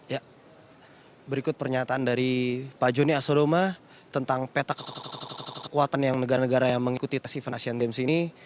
ya berikut pernyataan dari pak joni asodoma tentang peta kekuatan yang negara negara yang mengikuti tes event asian games ini